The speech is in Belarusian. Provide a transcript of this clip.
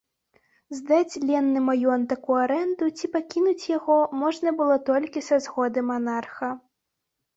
Здаць ленны маёнтак у арэнду ці пакінуць яго можна было толькі са згоды манарха.